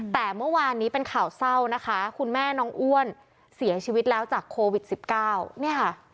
แต่เมื่อวานนี้เป็นข่าวเศร้านะคะคุณแม่น้องอ้วนเสียชีวิตแล้วจากโควิด๑๙เนี่ยค่ะ